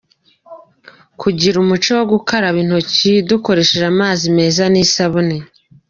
Kugira umuco wo gukaraba intoki dukoresheje amazi meza n’isabune; .